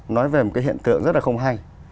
nói về một hiện tượng rất là không hay